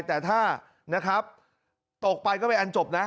แต่ถ้านะครับตกไปก็เป็นอันจบนะ